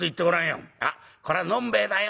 『あっこら飲んべえだよ。